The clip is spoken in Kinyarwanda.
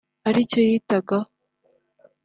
ari cyo yitagaho